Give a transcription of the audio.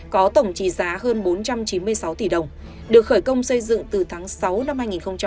có tổng trị giá hơn bốn trăm chín mươi sáu tỷ đồng được khởi công xây dựng từ tháng sáu năm hai nghìn một mươi bảy